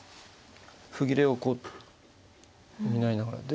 歩切れをこう補いながらで。